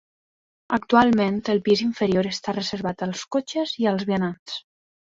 Actualment, el pis inferior està reservat als cotxes i als vianants.